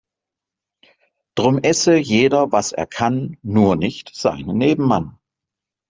Drum esse jeder was er kann, nur nicht seinen Nebenmann.